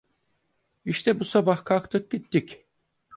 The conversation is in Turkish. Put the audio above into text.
İşte bu sabah kalktık gittik…